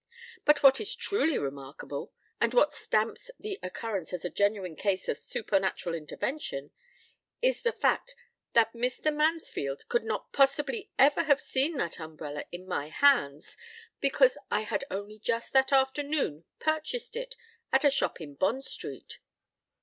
But what is truly remarkable, and what stamps the occurrence as a genuine case of supernatural intervention, is the fact that Mr. Mansfield could not possibly ever have seen that umbrella in my hands, because I had only just that afternoon purchased it at a shop in Bond Street.